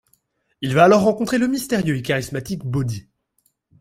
Il va alors rencontrer le mystérieux et charismatique Bodhi.